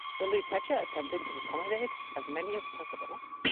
The Lutetia attempted to accommodate as many as possible.